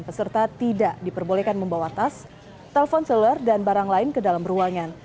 peserta tidak diperbolehkan membawa tas telpon seluler dan barang lain ke dalam ruangan